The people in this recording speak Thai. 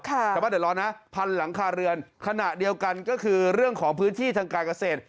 ชาวบ้านเดือดร้อนนะพันหลังคาเรือนขณะเดียวกันก็คือเรื่องของพื้นที่ทางการเกษตร